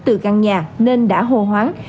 từ căn nhà nên đã hồ hoáng